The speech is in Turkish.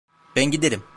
Ben giderim.